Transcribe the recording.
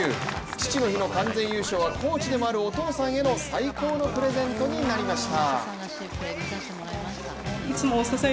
父の日の完全優勝はコーチでもあるお父さんへの最高のプレゼントになりました。